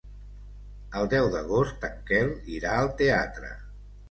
El deu d'agost en Quel irà al teatre.